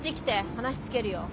話つけるよ。